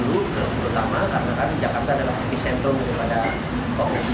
terutama karena jakarta adalah kondisi sentrum kepada covid sembilan belas ini